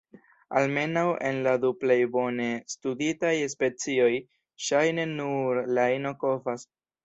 Almenaŭ en la du plej bone studitaj specioj, ŝajne nur la ino kovas.